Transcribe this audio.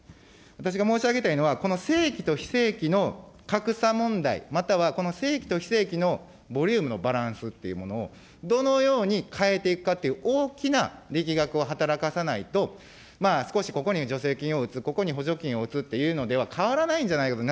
私が申し上げたいのは、この正規と非正規の格差問題、またはこの正規と非正規のボリュームのバランスというものを、どのように変えていくかという、大きな力学を働かさないと、少しここに助成金を打つ、ここに補助金を打つというのでは変わらないんじゃないかと。